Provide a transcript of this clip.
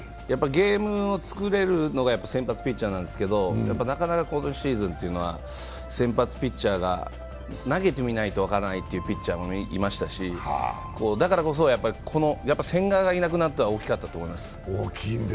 ゲームを作れるのが先発ピッチャーなんですけど、なかなかこのシーズンは先発ピッチャーが投げてみなければ分からないというピッチャーもいましたしだからこそ、千賀がいなくなったのは大きかったと思います。